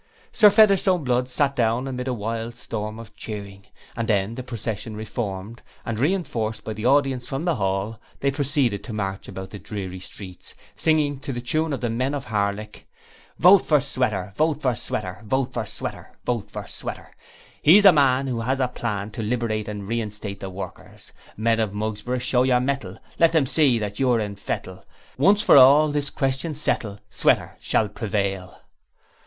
Sir Featherstone Blood sat down amid a wild storm of cheering, and then the procession reformed, and, reinforced by the audience from the hall, they proceeded to march about the dreary streets, singing, to the tune of the 'Men of Harlech': 'Vote for Sweater, Vote for Sweater! Vote for Sweater, VOTE FOR SWEATER! 'He's the Man, who has a plan, To liberate and reinstate the workers! 'Men of Mugs'bro', show your mettle, Let them see that you're in fettle! Once for all this question settle Sweater shall Prevail!'